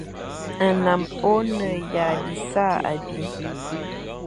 Nnam o ne ya bisa abi.